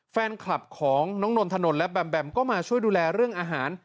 แฟนคลับของน้องนนทนนและแบมแบมก็มาช่วยดูแลเรื่องอาหาร